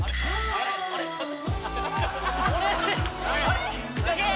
・あれ・すげえ